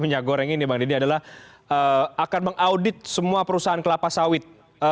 minyak goreng ini bang deddy adalah akan mengaudit semua perusahaan kelapa sawit